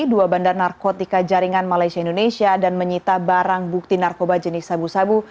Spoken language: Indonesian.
dua bandar narkotika jaringan malaysia indonesia dan menyita barang bukti narkoba jenis sabu sabu